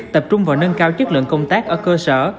tập trung vào nâng cao chất lượng công tác ở cơ sở